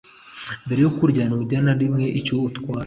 mbere yo kurya ntagira na rimwe icyo atwara